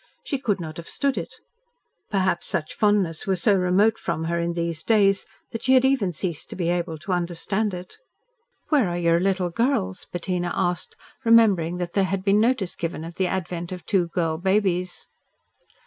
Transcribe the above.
She could not have stood it; perhaps such fondness was so remote from her in these days that she had even ceased to be able to understand it. "Where are your little girls?" Bettina asked, remembering that there had been notice given of the advent of two girl babies.